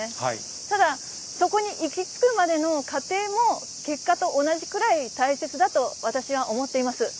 ただ、そこに行きつくまでの過程も結果と同じくらい大切だと私は思っています。